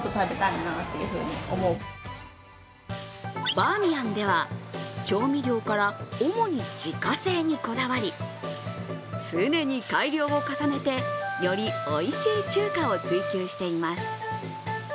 バーミヤンでは調味料から主に自家製にこだわり、常に改良を重ねてよりおいしい中華を追求しています。